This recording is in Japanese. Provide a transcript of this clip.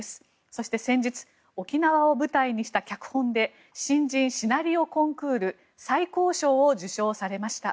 そして先日沖縄を舞台にした脚本で新人シナリオコンクール最高賞を受賞されました。